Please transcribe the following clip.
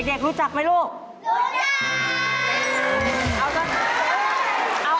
แกรกรู้จักไหมลูกรู้จัก